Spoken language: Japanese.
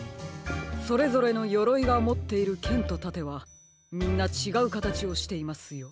それぞれのよろいがもっているけんとたてはみんなちがうかたちをしていますよ。